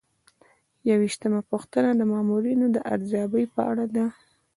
یوویشتمه پوښتنه د مامورینو د ارزیابۍ په اړه ده.